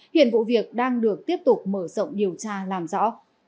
hiện vụ việc đang được tiếp tục mở rộng điều tra làm rõ